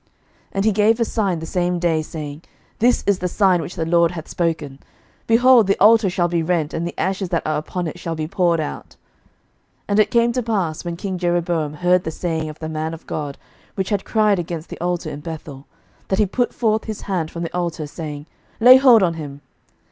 11:013:003 And he gave a sign the same day, saying, This is the sign which the LORD hath spoken; Behold, the altar shall be rent, and the ashes that are upon it shall be poured out. 11:013:004 And it came to pass, when king Jeroboam heard the saying of the man of God, which had cried against the altar in Bethel, that he put forth his hand from the altar, saying, Lay hold on him.